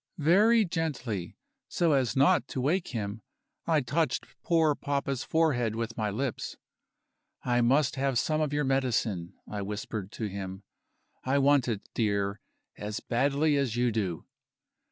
Very gently, so as not to wake him, I touched poor papa's forehead with my lips. "I must have some of your medicine," I whispered to him; "I want it, dear, as badly as you do."